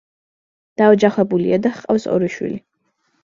დაოჯახებულია და ჰყავს ორი შვილი.